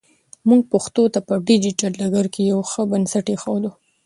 موږ پښتو ته په ډیجیټل ډګر کې یو ښه بنسټ ایږدو.